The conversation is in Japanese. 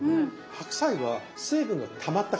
白菜は水分がたまった感じ。